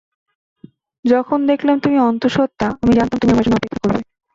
যখন দেখলাম তুমি অন্তঃসত্ত্বা, আমি জানতাম তুমি আমার জন্য অপেক্ষা করবে।